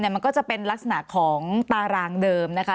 มันก็จะเป็นลักษณะของตารางเดิมนะคะ